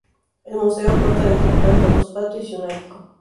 El museo consta de tres plantas, dos patios y un ático.